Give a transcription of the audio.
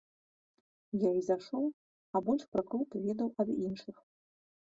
Я і зайшоў, а больш пра клуб ведаў ад іншых.